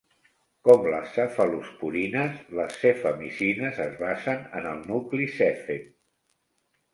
Com les cefalosporines, les cefamicines es basen en el nucli cefem.